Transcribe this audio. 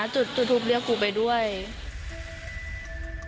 จุดทูปเรียกกูไปด้วย